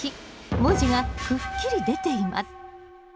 文字がくっきり出ています。